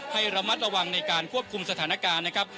ให้ระมัดระวังในการควบคุมสถานการณ์นะครับ